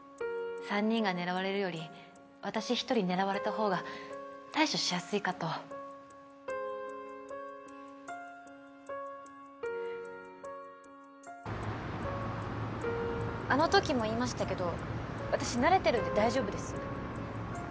３人が狙われるより私１人狙われたほうが対処しやすいかとあの時も言いましたけど私慣れてるんで大丈夫です。